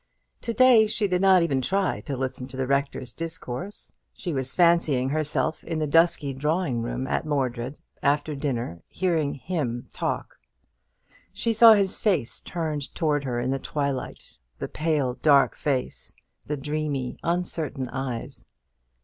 To day she did not even try to listen to the rector's discourse. She was fancying herself in the dusky drawing room at Mordred, after dinner, hearing him talk. She saw his face turned towards her in the twilight the pale dark face the dreamy, uncertain eyes.